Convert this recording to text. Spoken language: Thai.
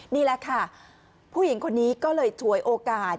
นี่แหละค่ะผู้หญิงคนนี้ก็เลยฉวยโอกาส